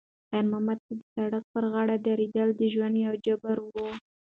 خیر محمد ته د سړک پر غاړه درېدل د ژوند یو جبر و.